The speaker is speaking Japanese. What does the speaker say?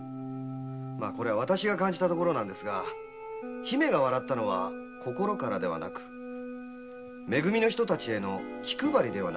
私の感じたところでは姫が笑ったのは心からではなく「め組」の人たちへの気配りではなかったかと。